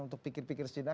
untuk pikir pikir sejenak